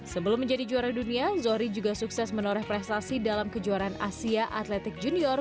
sebelum menjadi juara dunia zohri juga sukses menoreh prestasi dalam kejuaraan asia atletic junior